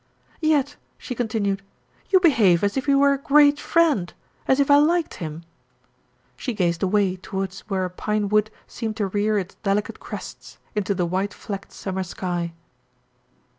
"Yet," she continued, "you behave as if he were a great friend, as if I liked him." She gazed away towards where a pinewood seemed to rear its delicate crests into the white flecked summer sky.